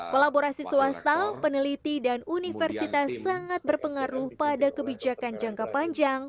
kolaborasi swasta peneliti dan universitas sangat berpengaruh pada kebijakan jangka panjang